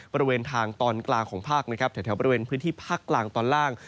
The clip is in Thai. บริเวณทางตอนกลางของภาคนะครับแถวบริเวณพื้นที่ภาคกลางตอนล่าง